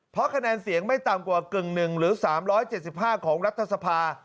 เพราะคะแนนเสียงไม่ต่ำกว่า๑๕หรือ๓๗๕ของรัฐสภา